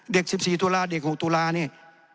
เด็ก๑๔ตุลาเด็ก๖ตุลาเนี่ย